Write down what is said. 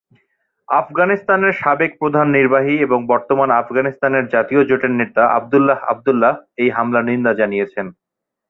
আফগানিস্তানের সাবেক প্রধান নির্বাহী এবং বর্তমান আফগানিস্তানের জাতীয় জোটের নেতা আব্দুল্লাহ আব্দুল্লাহ এই হামলার নিন্দা জানিয়েছেন।